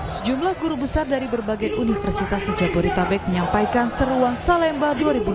sejumlah guru besar dari berbagai universitas di jabodetabek menyampaikan seruan salemba dua ribu dua puluh